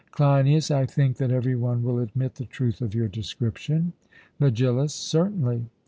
CLEINIAS: I think that every one will admit the truth of your description. MEGILLUS: Certainly.